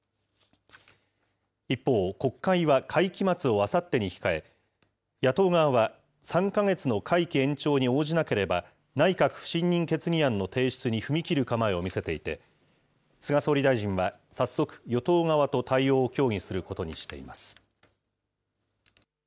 一方、国会は会期末をあさってに控え、野党側は、３か月の会期延長に応じなければ、内閣不信任決議案の提出に踏み切る構えを見せていて、菅総理大臣は、早速、与党側と対応を協議することにしています。